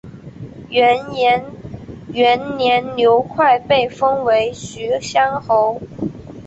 元延元年刘快被封为徐乡侯。